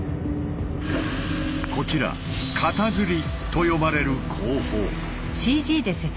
こちら「片づり」と呼ばれる工法。